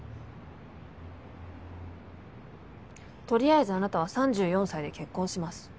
取りあえずあなたは３４歳で結婚します。